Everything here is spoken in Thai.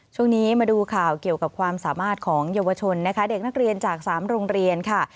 ช่วงนี้มาดูข่าวเกี่ยวกับความสามารถของเยาวชนนะคะเด็กนักเรียนจาก๓โรงเรียนค่ะ